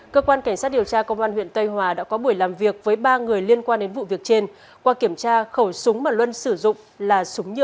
cơ quan cảnh sát điều tra công an huyện tây hòa đã có buổi làm việc với ba người liên quan đến vụ việc trên qua kiểm tra khẩu súng mà luân sử dụng là súng nhựa